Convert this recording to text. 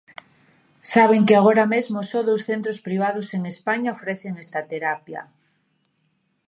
Saben que agora mesmo só dous centros privados en España ofrecen esta terapia.